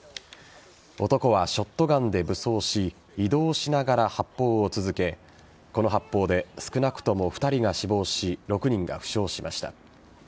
男はショットガンで武装し移動しながら発砲を続けこの発砲で少なくとも２人が死亡し６人が負傷しました。